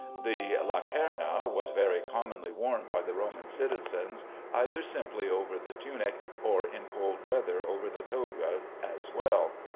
The "lacerna" was very commonly worn by the Roman citizens either simply over the tunic, or in cold weather over the togas as well.